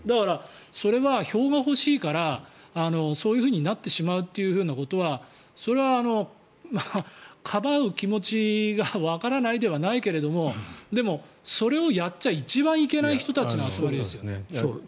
それは票が欲しいからそういうふうになってしまうということはそれは、かばう気持ちがわからないではないけどもでも、それをやっちゃ一番いけない人たちの集まりなんです。